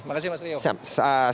terima kasih mas rio